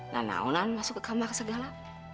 nah nah onan masuk ke kamar segala